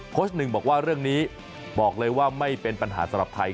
หนึ่งบอกว่าเรื่องนี้บอกเลยว่าไม่เป็นปัญหาสำหรับไทย